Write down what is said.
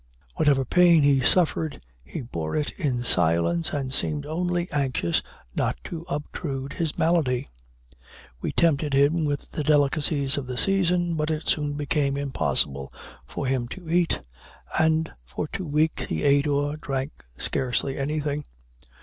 Whatever pain he suffered, he bore it in silence, and seemed only anxious not to obtrude his malady. We tempted him with the delicacies of the season, but it soon became impossible for him to eat, and for two weeks he ate or drank scarcely anything.